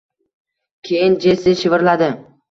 keyin Jessi shivirladi